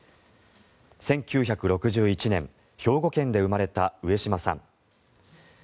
１９６１年、兵庫県で生まれた上島さん。